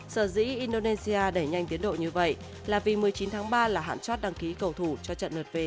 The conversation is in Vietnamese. sở dĩ indonesia đẩy nhanh tiến độ như vậy là vì một mươi chín tháng ba là hạn chót đăng ký cầu thủ cho trận lượt về